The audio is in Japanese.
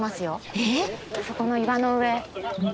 えっ？あそこの岩の上。